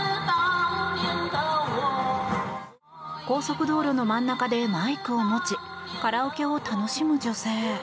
高速道路の真ん中でマイクを持ちカラオケを楽しむ女性。